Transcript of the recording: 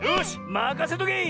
まかせとけ！